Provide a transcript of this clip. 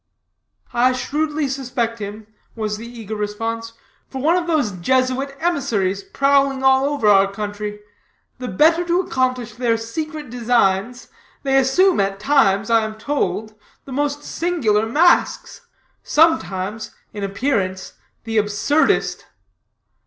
"I shrewdly suspect him," was the eager response, "for one of those Jesuit emissaries prowling all over our country. The better to accomplish their secret designs, they assume, at times, I am told, the most singular masques; sometimes, in appearance, the absurdest."